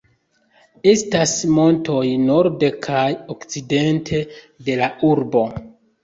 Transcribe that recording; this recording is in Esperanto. Estas montoj norde kaj okcidente de la urbo.